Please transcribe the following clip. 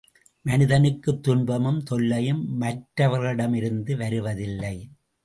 மனிதனுக்குத் துன்பமும் தொல்லையும் மற்றவர்களிடமிருந்து வருவதில்லை.